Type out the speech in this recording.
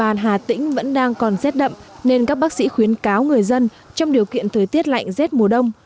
an hà tĩnh vẫn đang còn rét đậm nên các bác sĩ khuyến cáo người dân trong điều kiện thời tiết lạnh rét mùa đông